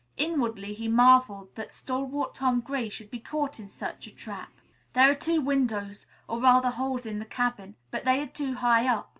Inwardly he marveled that stalwart Tom Gray should be caught in such a trap. "There are two windows, or rather holes in the cabin, but they are too high up.